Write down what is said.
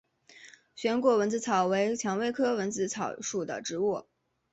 旋果蚊子草为蔷薇科蚊子草属的植物。